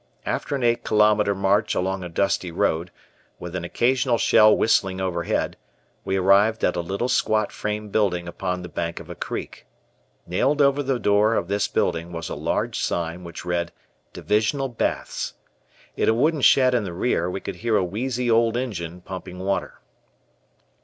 After an eight kilo march along a dusty road, with an occasional shell whistling overhead, we arrived at a little squat frame building upon the bank of a creek. Nailed over the door of this building was a large sign which read "Divisional Baths." In a wooden shed in the rear, we could hear a wheezy old engine pumping water.